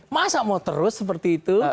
masa mau terus seperti itu